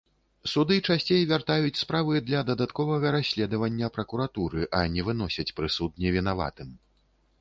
Суды часцей вяртаюць справы для дадатковага расследавання пракуратуры, а не выносяць прысуд невінаватым.